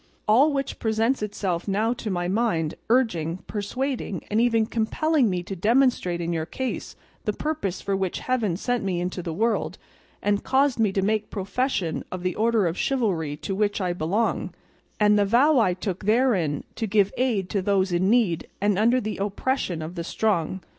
All which presents itself now to my mind, urging, persuading, and even compelling me to demonstrate in your case the purpose for which Heaven sent me into the world and caused me to make profession of the order of chivalry to which I belong, and the vow I took therein to give aid to those in need and under the oppression of the strong.